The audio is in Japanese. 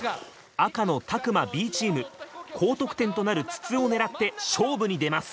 赤の詫間Ｂチーム高得点となる筒を狙って勝負に出ます。